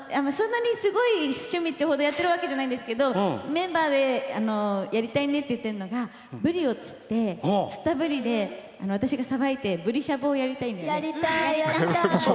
そんなにすごい趣味ってほどやってるわけじゃないんですけどやりたいねっていってるのがぶりを釣って釣ったぶりで私がさばいてぶりしゃぶをやりたいんだよね。